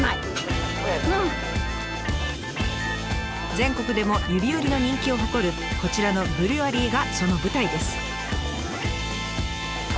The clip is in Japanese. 全国でも指折りの人気を誇るこちらのブリュワリーがその舞台です。